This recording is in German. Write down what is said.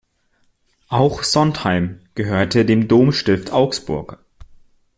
Auch Sontheim gehörte dem Domstift Augsburg.